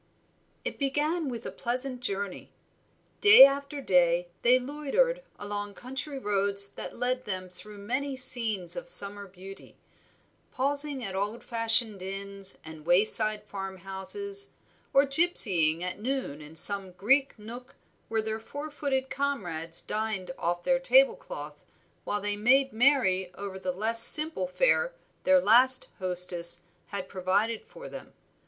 It began with a pleasant journey. Day after day they loitered along country roads that led them through many scenes of summer beauty; pausing at old fashioned inns and wayside farmhouses, or gipsying at noon in some green nook where their four footed comrades dined off their tablecloth while they made merry over the less simple fare their last hostess had provided for them.